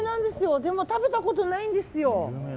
でも食べたことないんですよ。